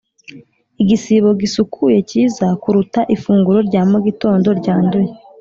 igisibo gisukuye cyiza kuruta ifunguro rya mugitondo ryanduye.